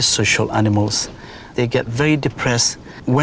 họ chọn các loại khó khăn rất phân tích